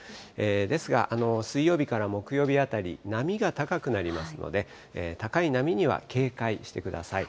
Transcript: ですが、水曜日から木曜日あたり、波が高くなりますので、高い波には警戒してください。